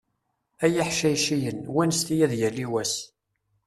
Ay iḥcayciyen, wanset-iyi ad yali wass.